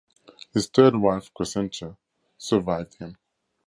His third wife, Cresentia, survived him.